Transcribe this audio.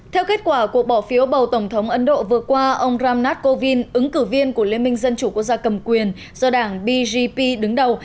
theo kết quả cuộc bỏ phiếu bầu tổng thống ấn độ vừa qua ông ramnath kovin ứng cử viên của liên minh dân chủ quốc gia cầm quyền do đảng bgp đứng đầu